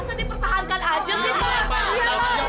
bisa dipertahankan aja sih pak